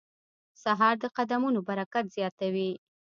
سهار د قدمونو برکت زیاتوي.